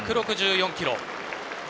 １６４キロ。